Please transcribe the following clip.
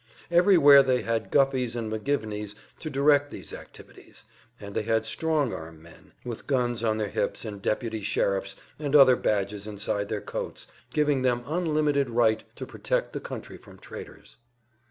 Everywhere they had Guffeys and McGivneys to direct these activities, and they had "strong arm men," with guns on their hips and deputy sheriffs' and other badges inside their coats, giving them unlimited right to protect the country from traitors.